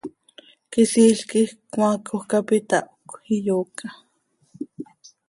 Quisiil quij cmaacoj cap itahcö, iyoocta.